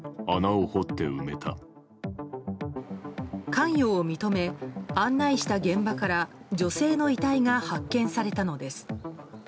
関与を認め案内した現場から女性の遺体が発見されたのです。